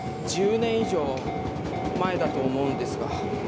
１０年以上前だと思うんですが。